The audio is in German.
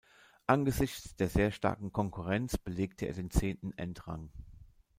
Angesichts der sehr starken Konkurrenz belegte er den zehnten Endrang.